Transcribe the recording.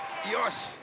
よし！